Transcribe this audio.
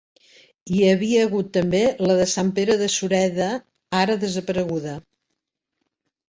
Hi havia hagut també la de Sant Pere de Sureda, ara desapareguda.